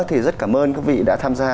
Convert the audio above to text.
thì rất cảm ơn các vị đã tham gia